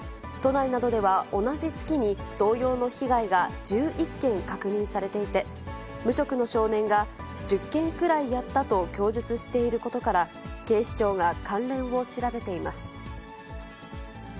都内などでは、同じ月に同様の被害が１１件確認されていて、無職の少年が、１０件くらいやったと供述していることから、警視庁が関連を調べています。